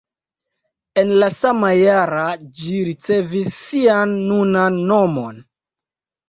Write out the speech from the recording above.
En la sama jara ĝi ricevis sian nunan nomon.